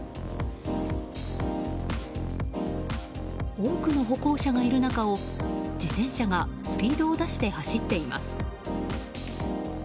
多くの歩行者がいる中を自転車がスピードを出して走っています。